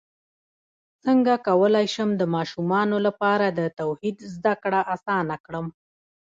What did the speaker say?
څنګه کولی شم د ماشومانو لپاره د توحید زدکړه اسانه کړم